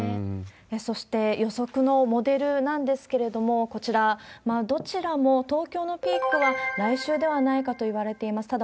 そして、予測のモデルなんですけれども、こちら、どちらも東京のピークは来週ではないかといわれています。